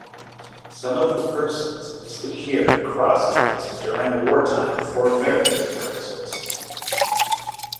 Some of the persons listed here cross-dressed during wartime for various purposes.